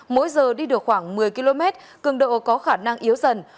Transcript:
mỗi giờ đi được khoảng một mươi km cường độ có khả năng yếu dần